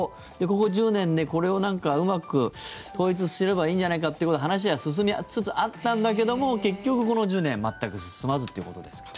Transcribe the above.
ここ１０年でこれをうまく統一すればいいんじゃないかってことで話は進みつつあったんだけども結局この１０年全く進まずということですか。